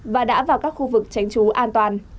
và đã vào các khu vực tránh trú an toàn